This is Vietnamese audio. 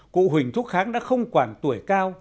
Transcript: cụ huỳnh thúc kháng đã không quản tuổi cao